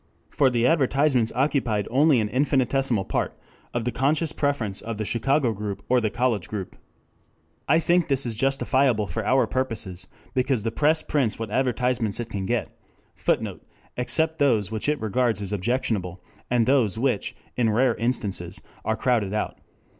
For the advertisements occupied only an infinitesimal part of the conscious preference of the Chicago group or the college group. I think this is justifiable for our purposes because the press prints what advertisements it can get, [Footnote: Except those which it regards as objectionable, and those which, in rare instances, are crowded out.